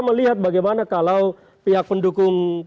melihat bagaimana kalau pihak pendukung